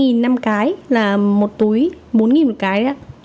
khoảng hai mươi năm cái là một túi bốn một cái